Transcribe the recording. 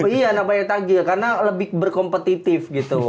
iya banyak takjil karena lebih berkompetitif gitu